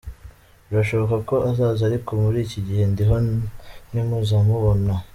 Birashoboka ko azaza ariko muri iki gihe ndiho ntimuzamubona.